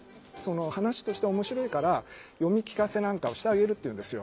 「話として面白いから読み聞かせなんかをしてあげる」って言うんですよ。